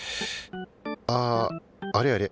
あっあれあれ！